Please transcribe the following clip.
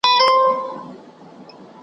زما وطن پر مرګ پېرزوی دی نه قدرت د ابوجهل .